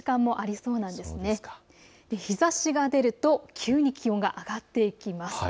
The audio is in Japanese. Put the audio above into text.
そして日ざしが出ると急に気温が上がっていきます。